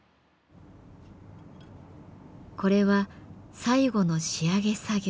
これは最後の仕上げ作業。